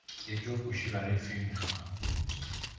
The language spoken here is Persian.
یک جفت گوشی برای فیلم می خواهم.